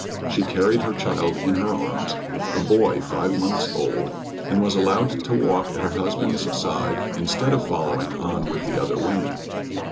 She carried her child in her arms, a boy, five months old, and was allowed to walk at her husband's side instead of following on with the other women.